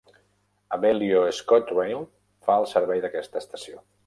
Abellio ScotRail fa el servei d'aquesta estació.